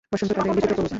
বসন্ত তাদের বিকৃত করুক!